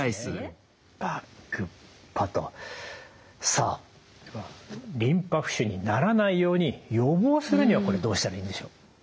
さあリンパ浮腫にならないように予防するにはこれどうしたらいいんでしょう？